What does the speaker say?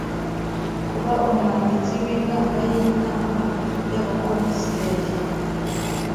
kuba Umwanditsi w’inama y’Inama y’Abakomiseri;